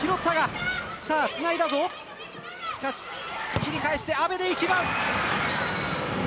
切り返して、阿部でいきます。